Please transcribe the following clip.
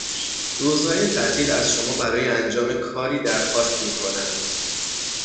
روز های تعطیل از شما برای انجام کاری در خواست میکنند